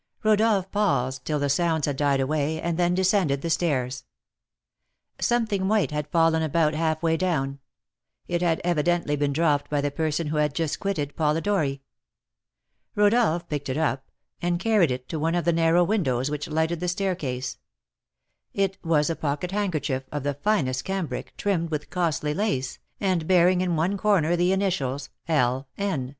Rodolph paused till the sounds had died away, and then descended the stairs. Something white had fallen about half way down; it had evidently been dropped by the person who had just quitted Polidori. Rodolph picked it up, and carried it to one of the narrow windows which lighted the staircase. It was a pocket handkerchief, of the finest cambric, trimmed with costly lace, and bearing in one corner the initials "L. N."